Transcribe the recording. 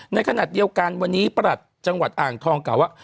ในขณะเดียวกันวันนี้ประหลัดจังหวัดอ่างทองกล่าวว่า